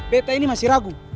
beta ini masih ragu